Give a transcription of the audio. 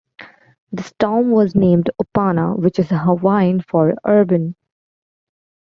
The storm was named Upana, which is Hawaiian for "Urban".